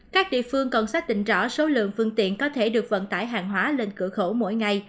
các địa phương cần xác định rõ số lượng phương tiện có thể được vận tải hàng hóa lên cửa khẩu mỗi ngày